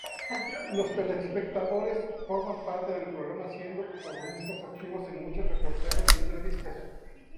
Los telespectadores forman parte del programa siendo protagonistas activos en muchos reportajes y entrevistas.